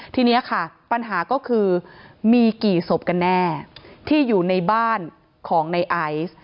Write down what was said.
ทีนี้ค่ะปัญหาก็คือมีกี่ศพกันแน่ที่อยู่ในบ้านของในไอซ์